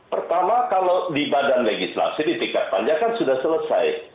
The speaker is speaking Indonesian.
pertama kalau di badan legislasi di tingkat panjang kan sudah selesai